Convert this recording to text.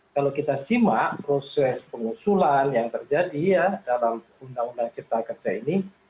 kalau kita simak proses pengusulan yang terjadi dalam undang undang cipta kerja ini